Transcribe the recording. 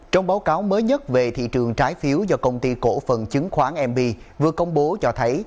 trong báo cáo mới nhất về thị trường trái phiếu do công ty cổ phần chứng khoán mb vừa công bố cho thấy